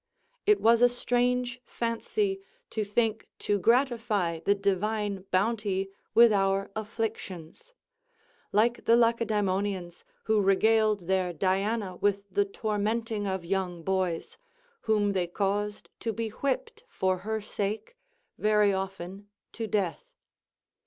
It was a strange fancy to think to gratify the divine bounty with our afflictions; like the Lacedemonians, who regaled their Diana with the tormenting of young boys, whom they caused to be whipped for her sake, very often to death.